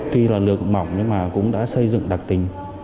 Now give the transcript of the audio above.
tuy là lừa mỏng nhưng mà cũng đã xây dựng đặc tình